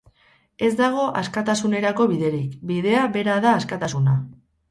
Ez dago askatasunerako biderik, bidea bera da askatasuna.